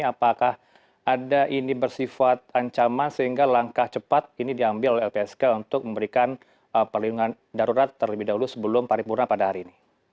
apakah ada ini bersifat ancaman sehingga langkah cepat ini diambil oleh lpsk untuk memberikan perlindungan darurat terlebih dahulu sebelum paripurna pada hari ini